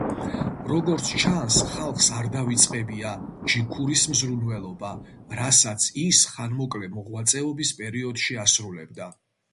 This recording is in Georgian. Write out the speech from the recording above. როგორც ჩანს, ხალხს არ დავიწყებია ჯიქურის მზრუნველობა, რასაც ის ხანმოკლე მოღვაწეობის პერიოდში ასრულებდა.